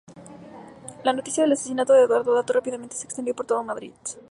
La noticia del asesinato de Eduardo Dato rápidamente se extendió por todo Madrid.